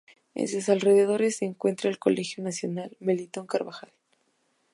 En sus alrededores se encuentra el Colegio Nacional Melitón Carvajal.